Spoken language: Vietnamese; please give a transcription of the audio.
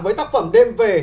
với tác phẩm đêm về